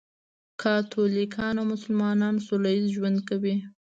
کاتولیکان او مسلمانان سولهییز ژوند کوي.